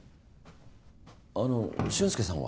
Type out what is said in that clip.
あの俊介さんは？